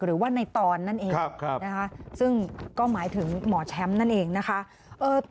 หรือว่าในตอนนั่นเองนะคะซึ่งก็หมายถึงหมอแชมป์นั่นเองนะคะ